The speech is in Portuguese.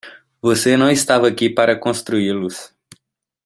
Você não estava aqui para construí-los.